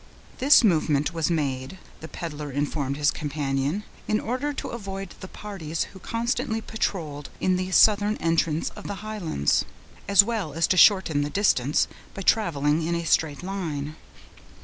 This movement was made, the peddler informed his companion, in order to avoid the parties who constantly patrolled in the southern entrance of the Highlands, as well as to shorten the distance, by traveling in a straight line.